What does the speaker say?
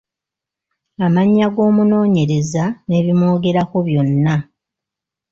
Amannya g’omunoonyereza n’ebimwogerako byonna.